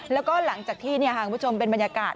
แล้วก็ห้างผู้ชมเป็นบรรยากาศ